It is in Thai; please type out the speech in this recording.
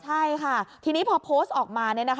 ใช่ค่ะทีนี้พอโพสต์ออกมา